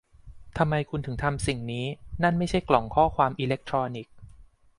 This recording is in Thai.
ทำไมคุณถึงทำสิ่งนี้นั่นไม่ใช่กล่องข้อความอิเล็กทรอนิกส์